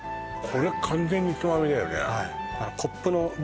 これ完全につまみだよね